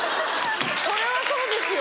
それはそうですよ！